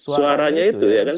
suaranya itu ya kan